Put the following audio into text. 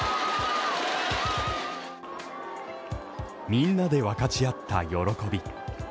みんなで分かち合った喜び。